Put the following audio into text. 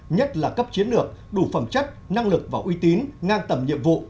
nhất là cấp chiến lược đủ phẩm chất năng lực và uy tín ngang tầm nhiệm vụ